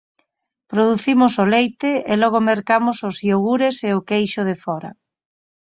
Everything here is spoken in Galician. Producimos o leite e logo mercamos os iogures e o queixo de fóra.